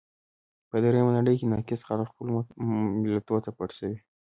په درېیمه نړۍ کې ناکس خلګ خپلو ملتو ته پړسوي.